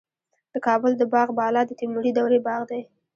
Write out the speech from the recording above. د کابل د باغ بالا د تیموري دورې باغ دی